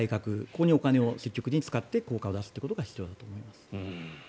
ここに積極的にお金を使って効果を出すことが必要だと思います。